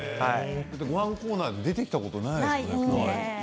ごはんコーナーで出てきたことないよね。